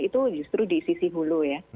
itu justru di sisi hulu ya